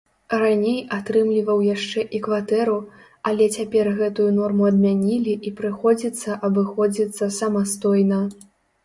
Раней атрымліваў яшчэ і кватэру, але цяпер гэтую норму адмянілі і прыходзіцца абыходзіцца самастойна.